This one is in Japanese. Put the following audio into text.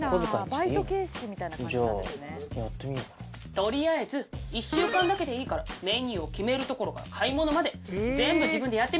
とりあえず１週間だけでいいからメニューを決めるところから買い物まで全部自分でやってみて。